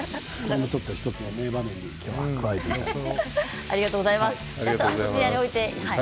１つの名場面に加えていただければ。